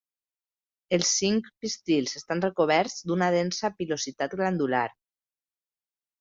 Els cinc pistils estan recoberts d'una densa pilositat glandular.